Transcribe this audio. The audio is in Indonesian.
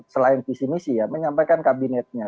selain visi misi ya menyampaikan kabinetnya